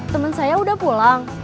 temen saya udah pulang